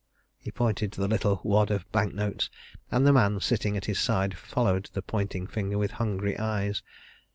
He pointed to the little wad of bank notes and the man sitting at his side followed the pointing finger with hungry eyes.